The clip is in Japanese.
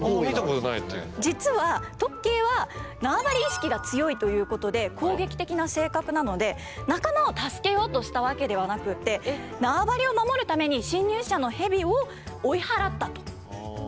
実はトッケイはなわばり意識が強いということで攻撃的な性格なので仲間を助けようとしたわけではなくってなわばりを守るために侵入者のヘビを追い払ったということだった。